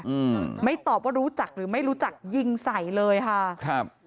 อืมไม่ตอบว่ารู้จักหรือไม่รู้จักยิงใส่เลยค่ะครับ